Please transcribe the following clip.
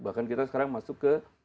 bahkan kita sekarang masuk ke